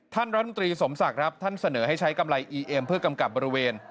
ท่านรัฐมนตรีสมศักดิ์ครับท่านเสนอให้ใช้กำไรอีเอ็มเพื่อกำกับบริเวณ